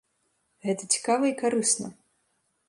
Гэта цікава і карысна.